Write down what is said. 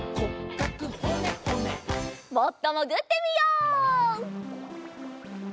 もっともぐってみよう。